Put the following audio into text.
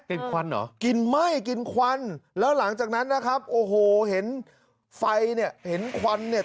กินควันหรอกินไหมกินควันแล้วหลังจากนั้นนะครับโอ้โหเห็นไฟเนี่ย